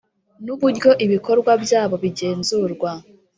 n uburyo ibikorwa byabo bigenzurwa